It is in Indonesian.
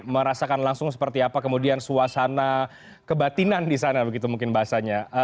merasakan langsung seperti apa kemudian suasana kebatinan di sana begitu mungkin bahasanya